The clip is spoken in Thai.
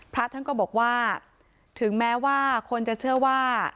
พระท่านก็บอกว่าถึงแม้ว่าคนจะเชื่อว่า